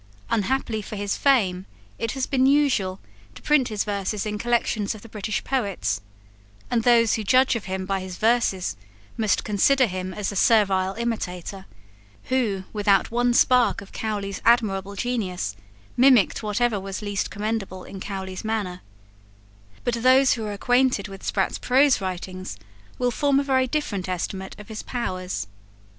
Unhappily for his fame, it has been usual to print his verses in collections of the British poets; and those who judge of him by his verses must consider him as a servile imitator, who, without one spark of Cowley's admirable genius, mimicked whatever was least commendable in Cowley's manner: but those who are acquainted with Sprat's prose writings will form a very different estimate of his powers.